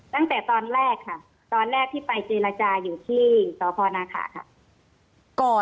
ตั้งแต่ตอนแรกค่ะตอนแรกที่ไปเจรจาอยู่ที่สพนาขาค่ะ